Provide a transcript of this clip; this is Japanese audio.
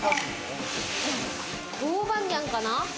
豆板醤かな？